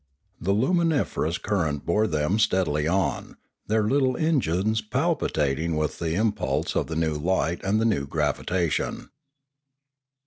The luminiferous current bore them steadily on, their little engines palpitating with the impulse of the new light and the new gravitation.